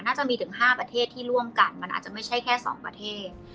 น่าจะมีถึง๕ประเทศที่ร่วมกันมันอาจจะไม่ใช่แค่๒ประเทศ